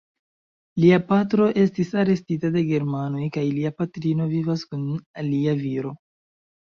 Lia patro estis arestita de Germanoj kaj lia patrino vivas kun alia viro.